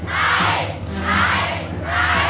ใช้